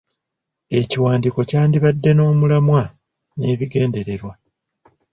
Ekiwandiiko kyandibadde n'omulamwa n'ebigendererwa.